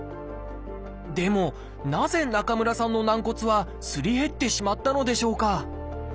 でもなぜ中村さんの軟骨はすり減ってしまったのでしょうか？